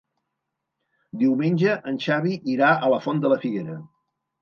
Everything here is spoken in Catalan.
Diumenge en Xavi irà a la Font de la Figuera.